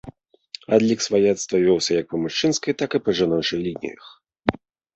Адлік сваяцтва вёўся як па мужчынскай, так і жаночай лініях.